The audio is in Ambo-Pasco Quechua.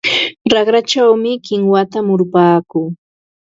Raqrachaw kinwata murupaakuu.